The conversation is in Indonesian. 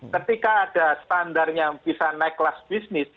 ketika ada standar yang bisa naik kelas bisnis